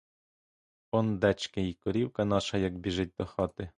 Ондечки й корівка наша як біжить до хати.